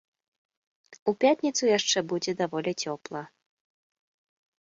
У пятніцу яшчэ будзе даволі цёпла.